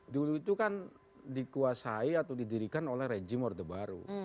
dulu itu kan dikuasai atau didirikan oleh rejim orde baru